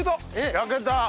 焼けた！